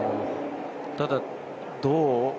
ただ、どう？